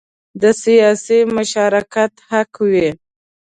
د سیاسي مشارکت حق وي.